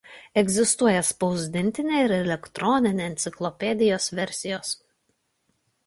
Egzistuoja spausdintinė ir elektroninė enciklopedijos versijos.